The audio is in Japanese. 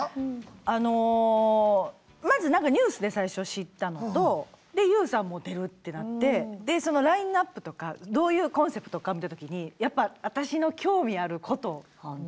あのまずなんかニュースで最初知ったのとでＹＯＵさんも出るってなってでそのラインナップとかどういうコンセプトか見たときにやっぱ私の興味あることが。